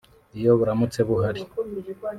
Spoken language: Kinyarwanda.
iyo buramutse buhari